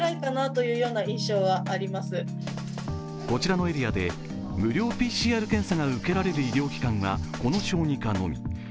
こちらのエリアで無料ＰＣＲ検査が受けられる医療機関はこの小児科のみ。